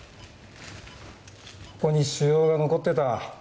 ここに腫瘍が残ってた。